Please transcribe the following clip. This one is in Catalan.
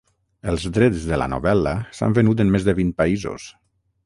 Els drets de la novel·la s'han venut en més de vint països.